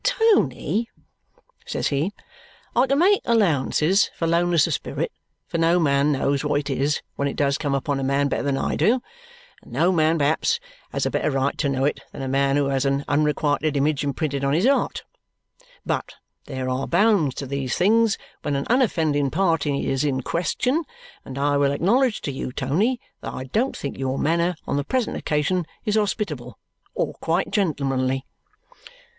"Tony," says he, "I can make allowances for lowness of spirits, for no man knows what it is when it does come upon a man better than I do, and no man perhaps has a better right to know it than a man who has an unrequited image imprinted on his 'eart. But there are bounds to these things when an unoffending party is in question, and I will acknowledge to you, Tony, that I don't think your manner on the present occasion is hospitable or quite gentlemanly."